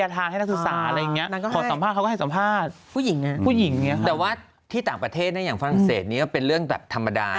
แต่ว่าที่ต่างประเทศนะอย่างฝรั่งเศสนี้ก็เป็นเรื่องแบบธรรมดา